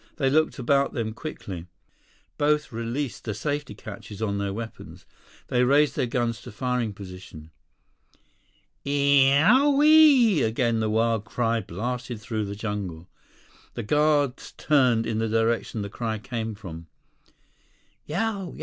They looked about them quickly. Both released the safety catches on their weapons. They raised their guns to firing position. "Eeeee owieeeee!" Again the wild cry blasted through the jungle. The guards turned in the direction the cry came from. 87 "Yow! Yow!